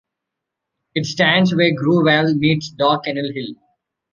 It stands where Grove Vale meets Dog Kennel Hill.